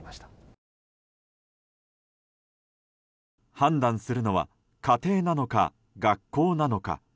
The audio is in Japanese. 判断するのは家庭なのか学校なのか。